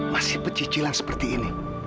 masih pecicilan seperti ini